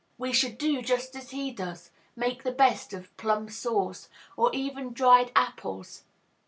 We should do just as he does, make the best of "plum sauce," or even dried apples.